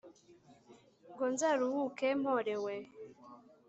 ngo nzaruhuke mporewe